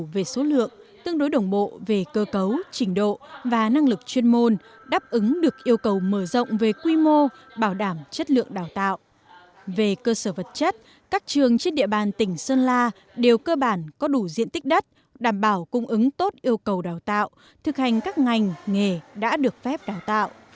về cơ sở vật chất các trường trên địa bàn tỉnh sơn la đều cơ bản có đủ diện tích đất đảm bảo cung ứng tốt yêu cầu đào tạo thực hành các ngành nghề đã được phép đào tạo